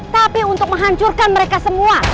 tapi untuk menghancurkan mereka semua